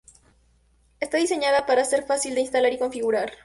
Está diseñada para ser fácil de instalar y configurar.